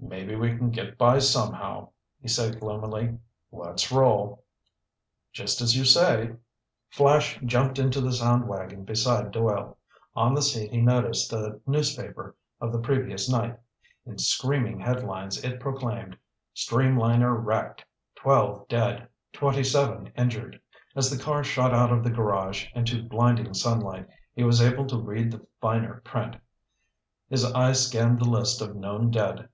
"Maybe we can get by somehow," he said gloomily. "Let's roll." "Just as you say." Flash jumped into the sound wagon beside Doyle. On the seat he noticed a newspaper of the previous night. In screaming headlines it proclaimed: STREAMLINER WRECKED. 12 DEAD, 27 INJURED. As the car shot out of the garage into blinding sunlight, he was able to read the finer print. His eye scanned the list of known dead.